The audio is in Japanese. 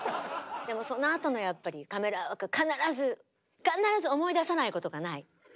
でもそのあとのカメラワークが必ず必ず思い出さないことがない。